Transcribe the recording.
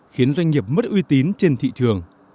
khiến doanh nghiệp mất uy tín trên thị trường